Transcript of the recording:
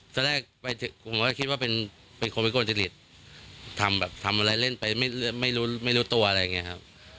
ก่อนแรกก็คิดว่าเป็นคนไม่คนจิตฤทธิ์ทำอะไรเล่นไปไม่รู้ตัวอ่ะอะไรเงี้ยครับ